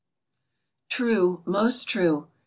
True, most true!